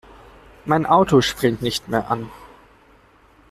Mein Auto springt nicht mehr an.